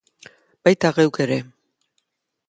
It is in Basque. Baita geuk ere!